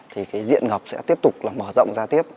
thì diện ngập sẽ tiếp tục mở rộng ra tiếp